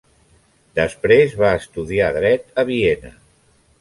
Després va estudiar dret a Viena.